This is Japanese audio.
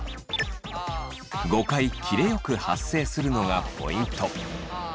５回切れよく発声するのがポイント！